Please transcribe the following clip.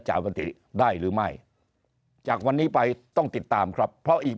บันติได้หรือไม่จากวันนี้ไปต้องติดตามครับเพราะอีก